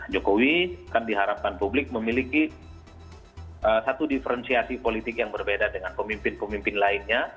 jokowi kan diharapkan publik memiliki satu diferensiasi politik yang berbeda dengan pemimpin pemimpin lainnya